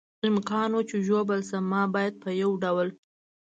امکان و، چې ژوبل شم، ما باید په یو ډول.